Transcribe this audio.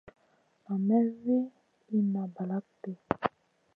Nam may wi inna balakŋ ɗi.